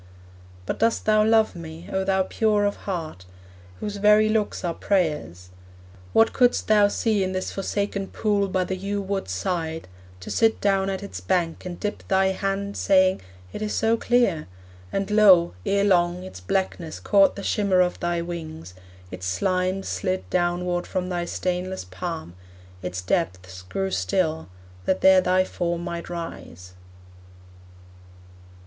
But dost thou love me, O thou pure of heart, Whose very looks are prayers? What couldst thou see In this forsaken pool by the yew wood's side, To sit down at its bank, and dip thy hand, Saying, 'It is so clear!' and lo! ere long, Its blackness caught the shimmer of thy wings, Its slimes slid downward from thy stainless palm, Its depths grew still, that there thy form might rise.